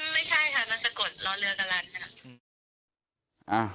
ไม่ใช่ค่ะนามสกุลรอเลือกลัล